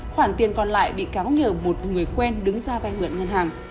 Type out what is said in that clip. khoản tiền còn lại bị cáo nhờ một người quen đứng ra vay mượn ngân hàng